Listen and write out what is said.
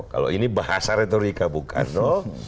kalau ini bahasa retorika bung karno